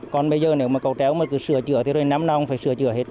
còn bây giờ nếu mà cầu tréo mà cứ sửa chữa thì rồi năm nào cũng phải sửa chữa hết